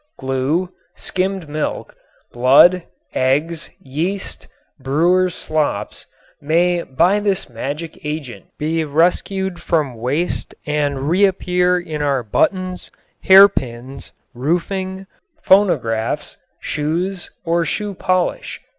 Glue, skimmed milk, blood, eggs, yeast, brewer's slops, may by this magic agent be rescued from waste and reappear in our buttons, hairpins, roofing, phonographs, shoes or shoe polish.